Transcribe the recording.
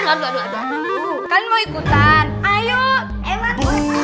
aduh aduh aduh